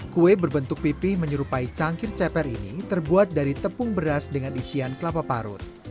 kue berbentuk pipih menyerupai cangkir ceper ini terbuat dari tepung beras dengan isian kelapa parut